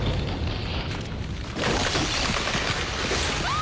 あ！